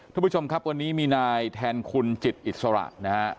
ทุกผู้ชมครับวันนี้มีนายแทนคุณจิตอิสระนะฮะ